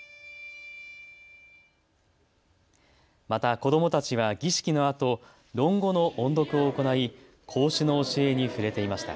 また子どもたちは儀式のあと論語の音読を行い孔子の教えに触れていました。